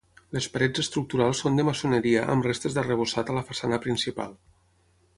Les parets estructurals són de maçoneria amb restes d'arrebossat a la façana principal.